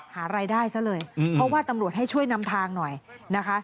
หารายได้ซะเลยเพราะว่าตำรวจให้ช่วยนำทางหน่อยนะคะ